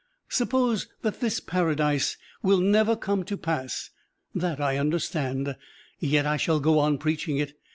Suppose that this paradise will never come to pass (that I understand), yet I shall go on preaching it.